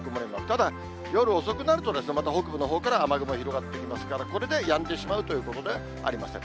ただ、夜遅くなると、また北部のほうから雨雲広がってきますから、これでやんでしまうということではありません。